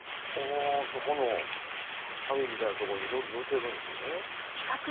そこの網みたいなとこにのりのせるんですね。